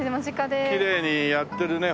きれいにやってるねほら。